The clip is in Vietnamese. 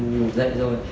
ngủ dậy rồi